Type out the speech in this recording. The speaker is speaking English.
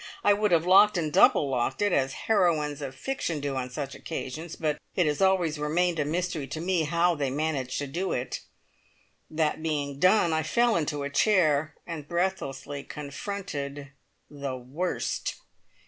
(I would have "locked and double locked" it, as heroines of fiction do on such occasions, but it has always remained a mystery to me how they manage to do it!) That being done I fell into a chair, and breathlessly confronted the worst!